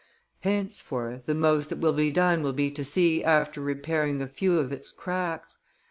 Henceforth, the most that will be done will be to see after repairing a few of its cracks.